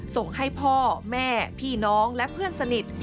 ส่งให้พ่อแม่พี่น้องและเพื่อนสนิท